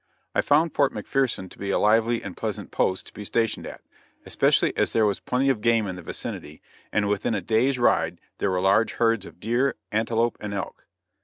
I found Fort McPherson to be a lively and pleasant post to be stationed at, especially as there was plenty of game in the vicinity, and within a day's ride there were large herds of deer, antelope and elk.